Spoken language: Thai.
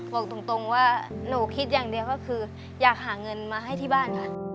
บอกตรงว่าลูกก็คืออยากหาเงินมาให้ที่บ้าน